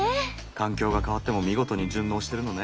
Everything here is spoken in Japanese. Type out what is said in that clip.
環境が変わっても見事に順応してるのね。